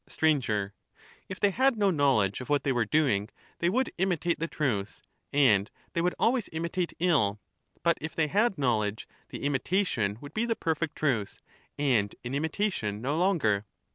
Sir, If they had no knowledge of what they were doing, they would imitate the truth, and they would always imitate ill ; but if they had knowledge, the imitation would be the perfect truth, and an imitation no longer.